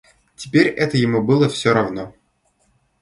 Теперь это ему было всё равно.